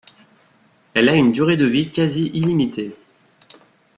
Elle a une durée de vie quasi illimitée.